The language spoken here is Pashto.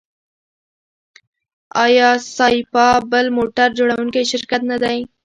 آیا سایپا بل موټر جوړوونکی شرکت نه دی؟